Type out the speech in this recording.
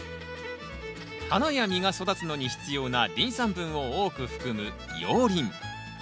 花や実が育つのに必要なリン酸分を多く含む熔リン。